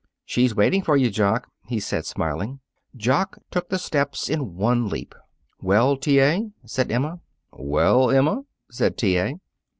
"She's waiting for you, Jock," he said, smiling. Jock took the steps in one leap. "Well, T. A.?" said Emma. "Well, Emma?" said T. A.